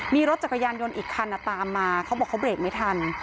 มีรถจักรยานยนต์อีกคันตามมาเขาบอกเขาเบรกไม่ทัน